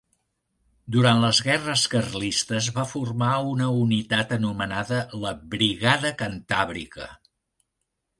Durant les guerres carlistes va formar una unitat anomenada la "Brigada Cantàbrica".